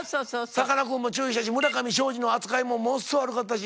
さかなクンも注意したし村上ショージの扱いもものすごい悪かったし。